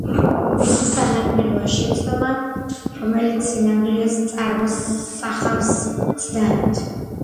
მისი საპირისპიროა შეცდომა, რომელიც სინამდვილეს წარმოსახავს მცდარად.